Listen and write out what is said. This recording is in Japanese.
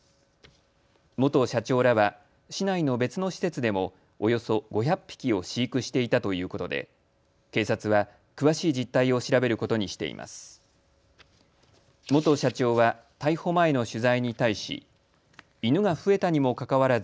元社長らは市内の別の施設でもおよそ５００匹を飼育していたということで警察は詳しい実態を調べることにしています。